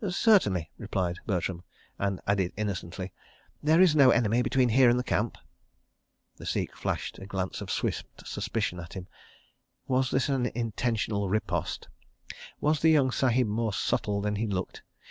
"Certainly," replied Bertram, and added innocently, "There is no enemy between here and the camp." The Sikh flashed a glance of swift suspicion at him. ... Was this an intentional riposte? Was the young Sahib more subtle than he looked?